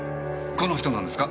この人なんですか？